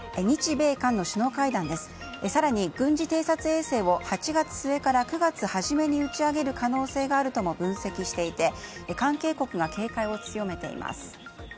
更に軍事偵察衛星を８月末から９月初めに打ち上げる可能性があるとも分析していて関係国が警戒を強めています。